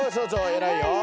偉いよ。